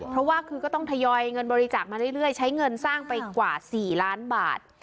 เพราะว่าคือก็ต้องทยอยเงินบริจาคมาเรื่อยใช้เงินสร้างไปกว่า๔ล้านบาท